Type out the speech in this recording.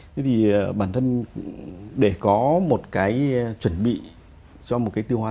thế thì bản thân để có một cái chuẩn bị cho một cái tiêu hóa